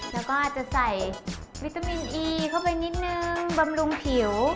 แล้วก็อาจจะใส่วิตามินอีเข้าไปนิดนึงบำรุงผิว